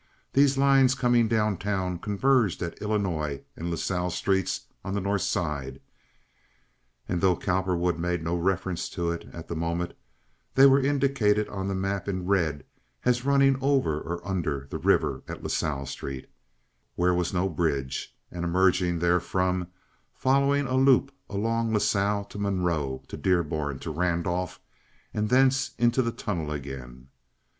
These lines coming down town converged at Illinois and La Salle streets on the North Side—and though Cowperwood made no reference to it at the moment, they were indicated on the map in red as running over or under the river at La Salle Street, where was no bridge, and emerging therefrom, following a loop along La Salle to Munroe, to Dearborn, to Randolph, and thence into the tunnel again.